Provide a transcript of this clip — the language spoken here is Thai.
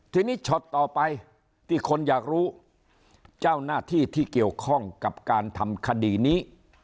ทีนี้ช็อตต่อไปที่คนอยากรู้เจ้าหน้าที่ที่เกี่ยวข้องกับการทำคดีนี้